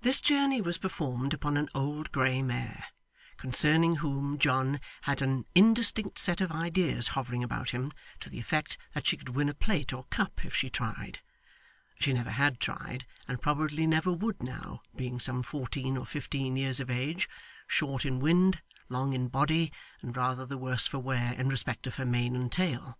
This journey was performed upon an old grey mare, concerning whom John had an indistinct set of ideas hovering about him, to the effect that she could win a plate or cup if she tried. She never had tried, and probably never would now, being some fourteen or fifteen years of age, short in wind, long in body, and rather the worse for wear in respect of her mane and tail.